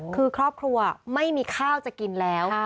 คือครอบครัวไม่มีข้าวจะกินแล้ว